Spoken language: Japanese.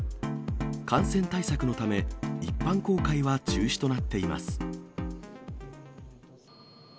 感染対策のため、一般公開は中止となっています。